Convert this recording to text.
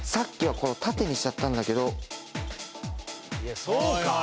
いやそうかあ？